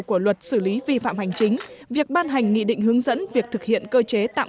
của luật xử lý vi phạm hành chính việc ban hành nghị định hướng dẫn việc thực hiện cơ chế tạm